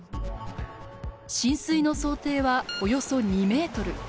浸水の想定はおよそ２メートル。